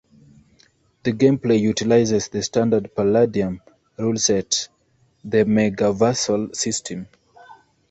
The gameplay utilizes the standard Palladium ruleset, the Megaversal system.